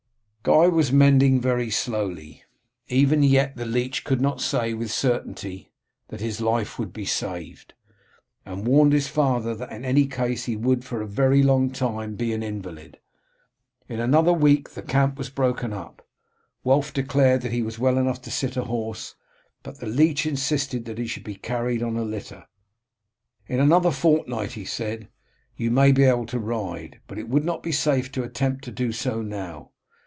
Guy was mending very slowly. Even yet the leech could not say with certainty that his life would be saved, and warned his father that in any case he would for a very long time be an invalid. In another week the camp was broken up. Wulf declared that he was well enough to sit a horse, but the leech insisted that he should be carried on a litter. "In another fortnight," he said, "you may be able to ride, but it would not be safe to attempt to do so now.